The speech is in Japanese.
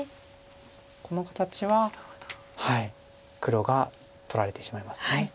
この形は黒が取られてしまいます。